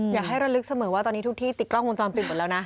ระลึกเสมอว่าตอนนี้ทุกที่ติดกล้องวงจรปิดหมดแล้วนะ